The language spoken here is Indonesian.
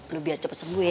lo biar cepet sembuh ya